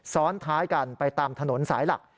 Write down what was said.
ซ้อนท้ายกันไปตามถนนสายหลัก